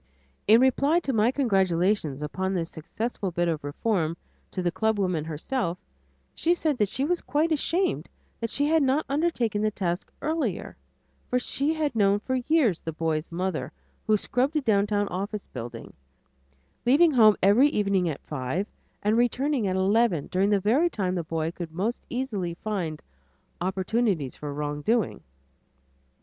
In reply to my congratulations upon this successful bit of reform to the club woman herself, she said that she was quite ashamed that she had not undertaken the task earlier for she had for years known the boy's mother who scrubbed a downtown office building, leaving home every evening at five and returning at eleven during the very time the boy could most easily find opportunities for wrongdoing.